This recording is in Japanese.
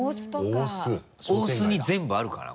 大須に全部あるかな？